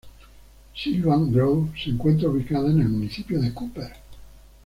Sylvan Grove se encuentra ubicada en el municipio de Cooper.